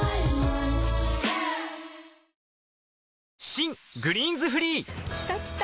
新「グリーンズフリー」きたきた！